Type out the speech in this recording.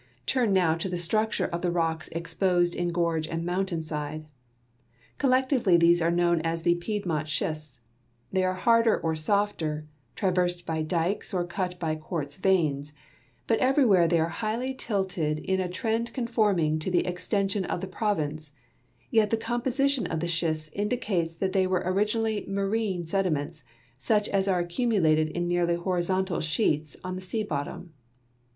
Turn now to the structure of the rocks exposed in gorge and mountain side: Collectively these are known as the Piedmont schists ; they are harder or softer, traversed by dikes, or cut by quartz veins, but everywhere they are highly tilted in a trend conforming to the extension of the province; yet the composi tion of the schists indicates that they were originally marine sediments such as are accumulated in nearly horizontal sheets on the sea bottom.